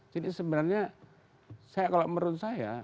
jadi sebenarnya kalau menurut saya